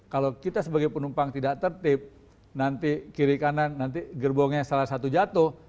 kalau kita sebagai penumpang tidak tertip nanti kiri kanan nanti gerbongnya salah satu jatuh